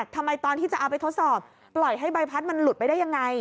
ทำไมตอนที่จะเอาไปทดสอบปล่อยให้ใบพัดมันหลุดไปได้ยังไง